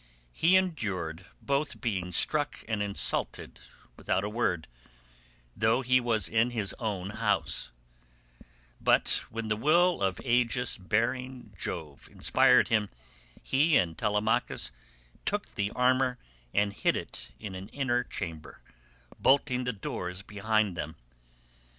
He endured both being struck and insulted without a word, though he was in his own house; but when the will of Aegis bearing Jove inspired him, he and Telemachus took the armour and hid it in an inner chamber, bolting the doors behind them.